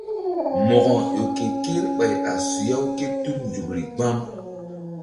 Mo̧ko ƴo ke kerɓay a suya-u ké tul nzukri gbam.